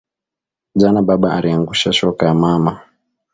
Jana baba ariangusha shoka ya mama